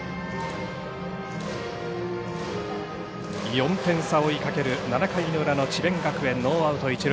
４点差を追いかける７回裏の智弁学園、ノーアウト一塁。